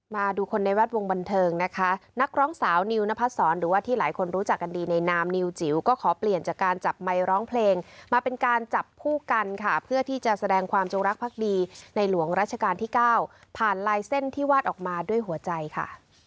มาดูคนในแวดวงบันเทิงนะคะนักร้องสาวนิวนพัดศรหรือว่าที่หลายคนรู้จักกันดีในนามนิวจิ๋วก็ขอเปลี่ยนจากการจับไมค์ร้องเพลงมาเป็นการจับคู่กันค่ะเพื่อที่จะแสดงความจงรักภักดีในหลวงราชการที่เก้าผ่านลายเส้นที่วาดออกมาด้วยหัวใจค่ะ